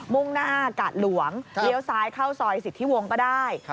มุ่งหน้ากาดหลวงเลี้ยวซ้ายเข้าซอยสิทธิวงศ์ก็ได้